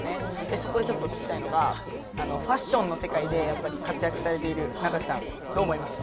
そこでちょっと聞きたいのがファッションの世界でやっぱり活躍されている永瀬さんどう思いますか？